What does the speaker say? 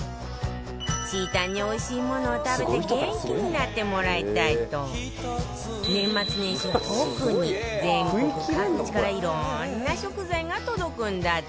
ちーたんにおいしいものを食べて元気になってもらいたいと年末年始は特に全国各地からいろんな食材が届くんだって